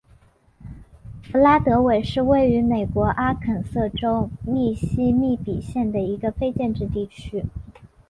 弗拉德韦是位于美国阿肯色州密西西比县的一个非建制地区。